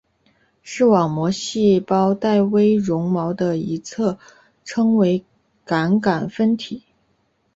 视网膜细胞带微绒毛的一侧称为感杆分体。